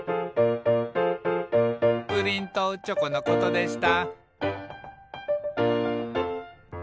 「プリンとチョコのことでした」